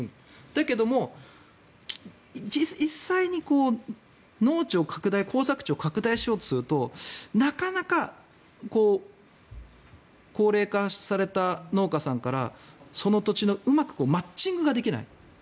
だけど、実際に農地を拡大農作地を拡大しようとするとなかなか高齢化された農家さんからその土地のうまくマッチングができない。